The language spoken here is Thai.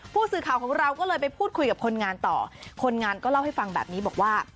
ผู้สื่อข่าวของเราก็เลยไปพูดคุยกับคนงานต่อคนงานก็เล่าให้ฟังแบบนี้บอกว่า